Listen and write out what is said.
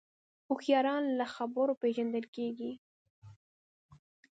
هوښیاران له خبرو پېژندل کېږي